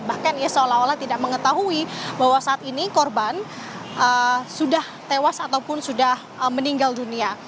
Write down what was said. bahkan ia seolah olah tidak mengetahui bahwa saat ini korban sudah tewas ataupun sudah meninggal dunia